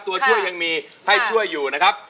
ตัวช่วยยังมีให้ช่วยอยู่นะครับ